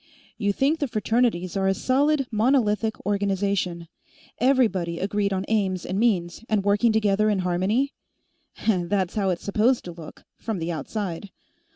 "You think the Fraternities are a solid, monolithic, organization; everybody agreed on aims and means, and working together in harmony? That's how it's supposed to look, from the outside.